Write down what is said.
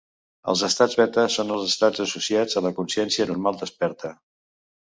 Els estats beta són els estats associats a la consciència normal desperta.